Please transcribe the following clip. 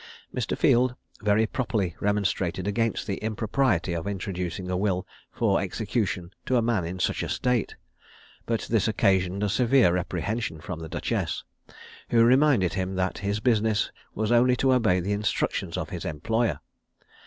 Mr. Field very properly remonstrated against the impropriety of introducing a will for execution to a man in such a state; but this occasioned a severe reprehension from the duchess, who reminded him that his business was only to obey the instructions of his employer.